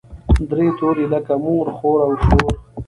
درې توري لکه مور، خور او شور.